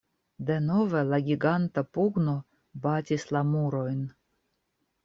Denove la giganta pugno batis la murojn.